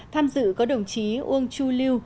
tham dự có đồng chí uông chu lưu